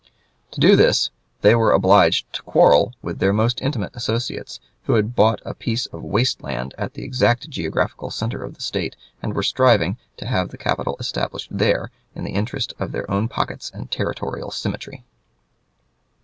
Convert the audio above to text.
To do this, they were obliged to quarrel with their most intimate associates, who had bought a piece of waste land at the exact geographical center of the State and were striving to have the capital established there in the interest of their own pockets and territorial symmetry.